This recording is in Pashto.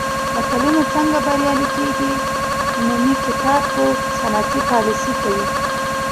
ملتونه څنګه بریالي کېږي؟ نومي کتاب په صنعتي پالېسۍ کوي.